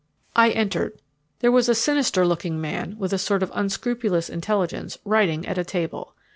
I entered. There was a sinister looking man, with a sort of unscrupulous intelligence, writing at a table.